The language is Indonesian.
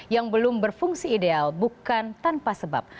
yang belum berfungsi ideal bukan tanpa sebab